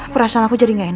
perasaan aku jadi gak enak